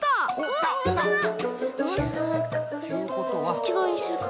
そっちがわにするか。